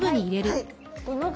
はい。